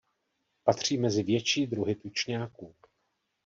Patří mezi větší druhy tučňáků.